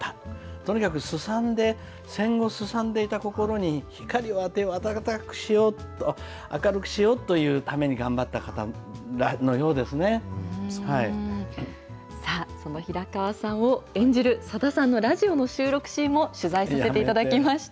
とにかくすさんで、戦後すさんでいた心に光を当てよう、温かくしようと、明るくしようというために頑張った方のようですさあ、その平川さんを演じる、さださんのラジオの収録シーンも取材させていただきました。